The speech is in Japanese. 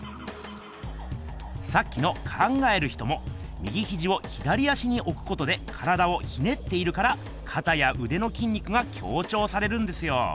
さっきの「考える人」も右ひじを左足におくことで体をひねっているからかたやうでのきん肉が強ちょうされるんですよ。